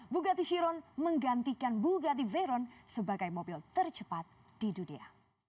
bugatti chiron menggantikan bulgati veyron sebagai mobil tercepat di dunia